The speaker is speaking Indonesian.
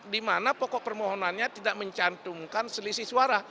dimana pokok permohonannya tidak mencantumkan selisih suara